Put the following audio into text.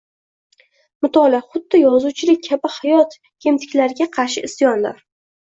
Mutolaa, xuddi yozuvchilik kabi hayot kemtikliklariga qarshi isyondir